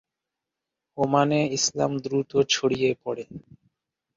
ওমানে ইসলাম দ্রুত ছড়িয়ে পড়ে।